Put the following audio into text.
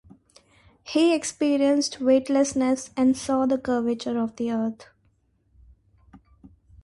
He experienced weightlessness and saw the curvature of the Earth.